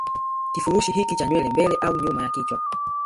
Kifurushi hiki cha nywele mbele au nyuma ya kichwa